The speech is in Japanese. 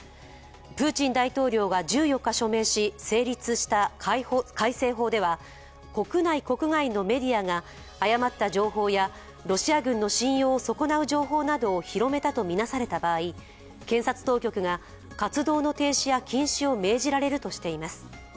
プーチン大統領が１４日署名し成立した改正法では国内・国外のメディアが誤った情報やロシア軍の信用を損なう情報などを広めたと見なされた場合、検察当局が活動の停止や禁止を命じられるとしています。